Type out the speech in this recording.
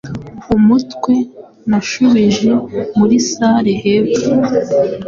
Umutwe Nashubije muri salle hepfo